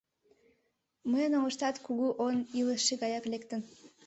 Мыйын оҥыштат кугу он илыше гаяк лектын.